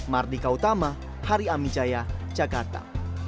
mardika utama hari amin jaya jakarta